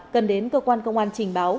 cần đến cơ quan công an trình báo